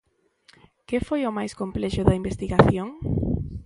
Que foi o máis complexo da investigación?